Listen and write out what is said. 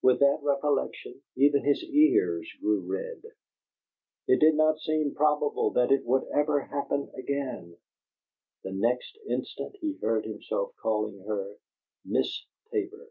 With that recollection, even his ears grew red: it did not seem probable that it would ever happen again! The next instant he heard himself calling her "Miss Tabor."